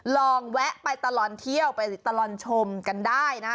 ลองแวะไปตลอดเที่ยวไปตลอดชมกันได้นะคะ